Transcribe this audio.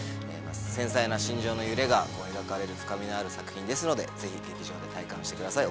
繊細な心情の揺れが描かれる深みのある作品ですのでぜひ劇場で体感してください